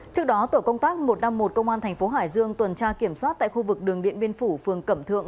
trước đó tổ công tác một trăm năm mươi một công an thành phố hải dương tuần tra kiểm soát tại khu vực đường điện biên phủ phường cẩm thượng